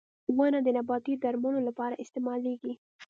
• ونه د نباتي درملو لپاره استعمالېږي.